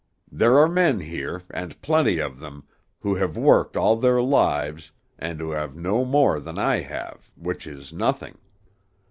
There are men here, and plenty of them, who have worked all their lives, and who have no more than I have, which is nothing.